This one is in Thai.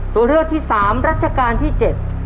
ตัวเลือดที่สามรัชการที่เจ็ด